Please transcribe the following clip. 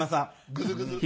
グズグズ。